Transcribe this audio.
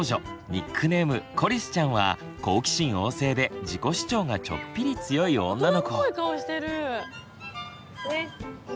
ニックネームコリスちゃんは好奇心旺盛で自己主張がちょっぴり強い女の子。